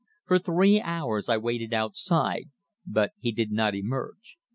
For three hours I waited outside, but he did not emerge.